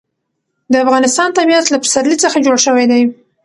د افغانستان طبیعت له پسرلی څخه جوړ شوی دی.